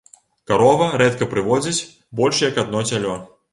Карова рэдка прыводзіць больш як адно цялё.